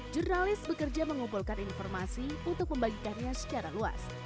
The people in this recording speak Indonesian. jurnalis bekerja mengumpulkan informasi untuk membagikannya secara luas